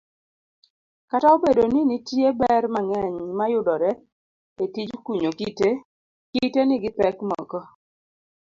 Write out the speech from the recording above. Kata obedo ninitie ber mang'eny mayudore etijkunyo kite, kite nigi pek moko.